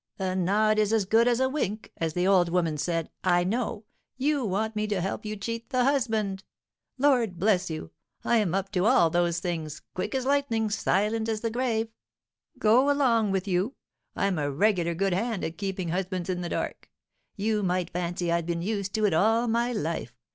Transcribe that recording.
'A nod is as good as a wink,' as the old woman said. I know! You want me to help you cheat the husband? Lord bless you! I'm up to all those things, quick as lightning, silent as the grave! Go along with you! I'm a regular good hand at keeping husbands in the dark; you might fancy I'd been used to it all my life.